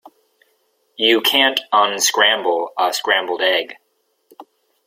You can't unscramble a scrambled egg.